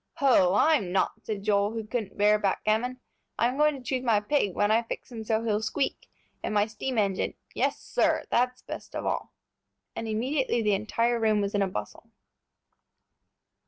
"Hoh, I'm not," said Joel, who couldn't bear backgammon; "I'm going to choose my pig, when I fix him so he'll squeak, and my steam engine. Yes, sir! that's the best of all." And immediately the entire room was in a bustle.